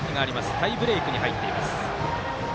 タイブレークに入っています。